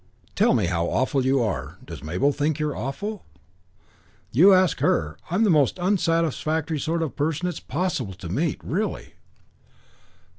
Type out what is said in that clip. "Tell me how awful you are. Does Mabel think you're awful?" "You ask her! I'm the most unsatisfactory sort of person it's possible to meet. Really."